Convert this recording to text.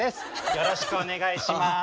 よろしくお願いします。